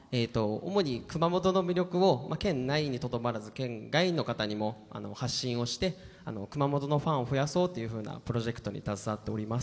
主に熊本の魅力を県内にとどまらず、県外の方にも発信をして、熊本のファンを増やそうというようなプロジェクトに携わっております。